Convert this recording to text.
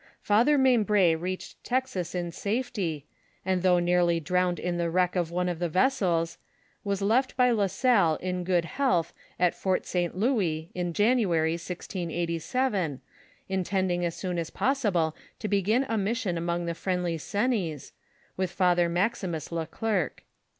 Father Membre reached Texas in safety, and though nearly drowned in the wreck of one of the vessels, was left by La Salle in good health at Fort St Louis, in January, 1687, intending as soon as possible to begin a mission among the friendly Cenis, with Father Maximus le Clercq.